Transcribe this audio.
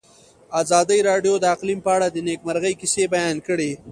ازادي راډیو د اقلیم په اړه د نېکمرغۍ کیسې بیان کړې.